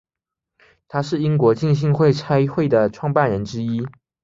他是英国浸信会差会的创办人之一。